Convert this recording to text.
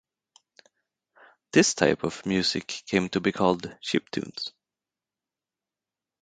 This type of music came to be called "chiptunes".